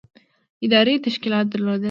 ادارې تشکیلات درلودل.